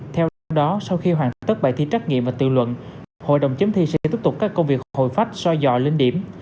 theo đó sau khi hoàn tất bài thi trách nghiệm và tự luận hội đồng chấm thi sẽ tiếp tục các công việc hồi phách so dọa lên điểm